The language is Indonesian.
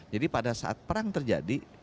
jadi pada saat perang terjadi